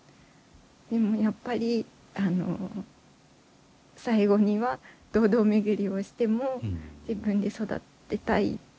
でもやっぱり最後には堂々巡りをしても自分で育てたいって思ってはい。